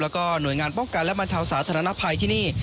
แล้วก็หน่วยงานป้องกันและบรรเทาสาธารณภัยที่นี่